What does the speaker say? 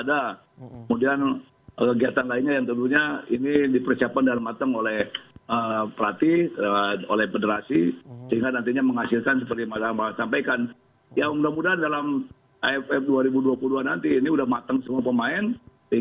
tapi berkaitan dengan kualitas yang dimiliki oleh pemain indonesia sendiri terkait dengan striker ini